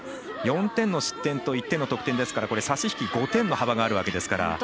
４点の失点と１点の得点ですから差し引き５点の幅があるわけですから。